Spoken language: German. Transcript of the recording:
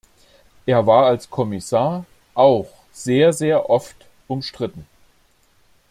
Er war als Kommissar auch sehr, sehr oft umstritten.